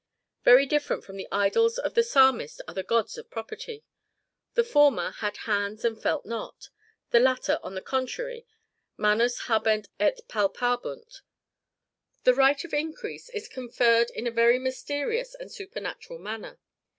Very different from the idols of the Psalmist are the gods of property: the former had hands and felt not; the latter, on the contrary, manus habent et palpabunt. _ _The right of increase is conferred in a very mysterious and supernatural manner.